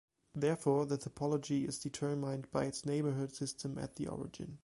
Therefore, the topology is determined by its neighbourhood system at the origin.